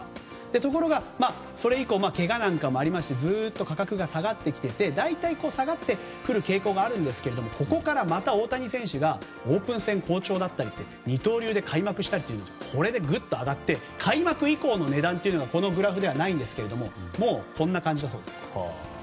ところが、それ以降けがなんかもありましてずっと価格が下がってきていてて大体下がってくる傾向があるんですがここからまた大谷選手がオープン戦好調だったり二刀流で開幕したり、これでぐっと上がって開幕以降の値段がこのグラフではないんですがもうこんな感じだそうです。